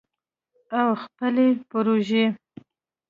او خپلې پروژې